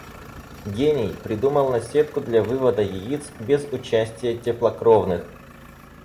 Гений придумал наседку для вывода яиц без участия теплокровных.